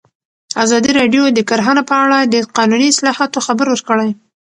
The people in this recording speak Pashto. ازادي راډیو د کرهنه په اړه د قانوني اصلاحاتو خبر ورکړی.